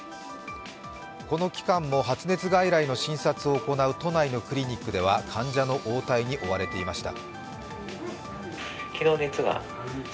この期間も発熱外来の診察を行う都内のクリニックでは患者の対応に追われていました。